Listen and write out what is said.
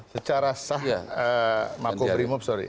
secara sah mako grimob sorry